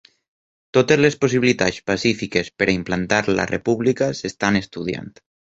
Totes les possibilitats pacífiques per a implantar la República s'estan estudiant